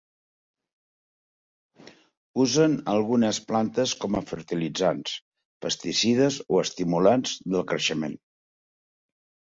Usen algunes plantes com fertilitzants, pesticides o estimulants del creixement.